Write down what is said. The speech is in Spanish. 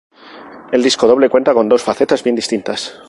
El disco doble cuenta con dos facetas bien distintas.